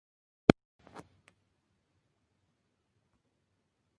Un soldado se despierta en un hospital en el Pacífico durante la guerra.